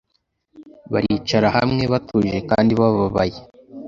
Baricara hamwe, batuje kandi bababaye,